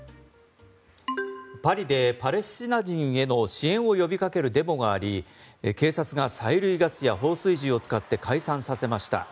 パリでパレスチナ人への支援を呼びかけるデモがあり、警察が催涙ガスや放水銃を使って解散させました。